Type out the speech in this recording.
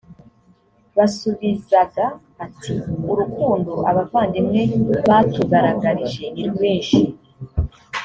basubizaga ati “urukundo abavandimwe batugaragarije ni rwinshi”